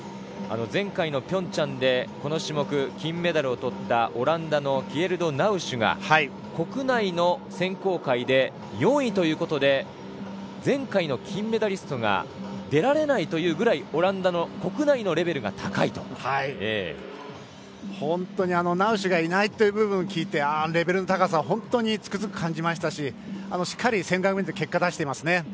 前回の平昌で、この種目金メダルをとったオランダのキエルド・ナウシュが国内での選考会で４位ということで前回の金メダリストが出られないというぐらいオランダの国内のレベルが本当にナウシュがいないと聞いてレベルの高さを本当につくづく感じましたししっかり１５００ｍで結果を出していますね。